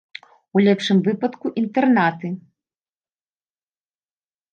У лепшым выпадку, інтэрнаты.